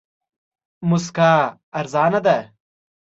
موسکا ارزانه ده.